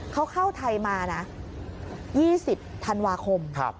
เขาเข้าไทยมานะ๒๐ธันวาคม